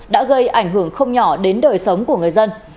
đã gây ảnh hưởng không nhỏ đến đời sống của người dân